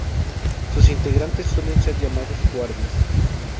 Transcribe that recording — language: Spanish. Sus integrantes suelen ser llamados guardias.